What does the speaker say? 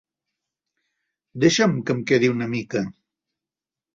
Deixa'm que em quedi una mica!